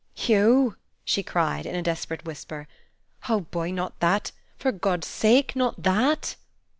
"Hugh!" she cried, in a desperate whisper, "oh, boy, not that! for God's sake, not that!"